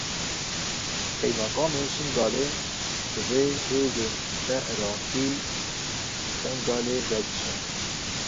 Qaymeqamê Şingalê, divê hêzên ne Iraqî ji Şingalê vekişin.